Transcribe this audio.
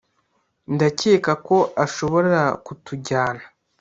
ndakeka ko ashobora kutujyana